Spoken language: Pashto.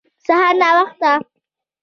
سهار ناوخته